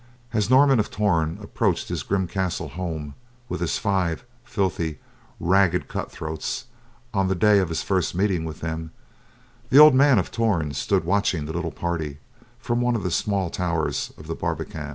As Norman of Torn approached his grim castle home with his five filthy, ragged cut throats on the day of his first meeting with them, the old man of Torn stood watching the little party from one of the small towers of the barbican.